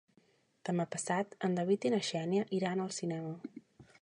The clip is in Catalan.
Demà passat en David i na Xènia iran al cinema.